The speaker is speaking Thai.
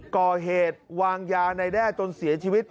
ก่อเหตุวางยาในแด้จนเสียชีวิต